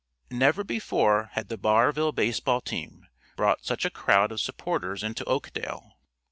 Never before had the Barville baseball team brought such a crowd of supporters into Oakdale.